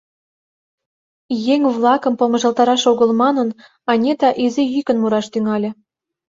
Еҥ-влакым помыжалтараш огыл манын, Анита изи йӱкын мураш тӱҥале: